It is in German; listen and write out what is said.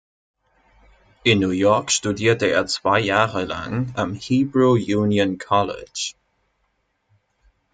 In New York studierte er zwei Jahre lang am Hebrew Union College.